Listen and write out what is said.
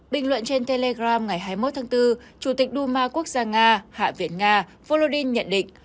bình luận trên telegram ngày hai mươi một tháng bốn chủ tịch đu ma quốc gia nga hạ viện nga volodymyr yeltsin nhận định